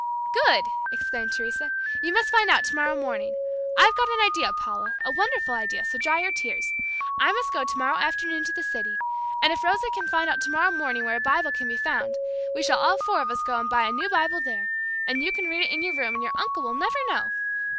"Good," exclaimed Teresa, "you must find out tomorrow morning. I've got an idea, Paula, a wonderful idea, so dry your tears. I must go tomorrow afternoon to the city, and if Rosa can find out tomorrow morning where a Bible can be found, we shall all four of us go and buy a new Bible there, and you can read it in your room and your uncle will never know."